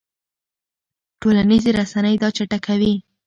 ټولنیزې رسنۍ دا چټکوي.